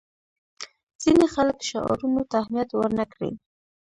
ځینې خلک شعارونو ته اهمیت ورنه کړي.